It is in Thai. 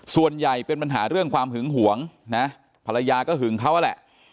ส่วนใหญ่เป็นปัญหาเรื่องความหึงหวงนะภรรยาก็หึงเขาแหละ